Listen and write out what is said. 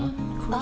あ！